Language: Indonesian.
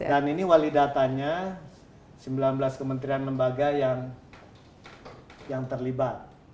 dan ini wali datanya sembilan belas kementerian lembaga yang terlibat